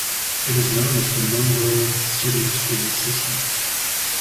It is known as the Monroe City School System.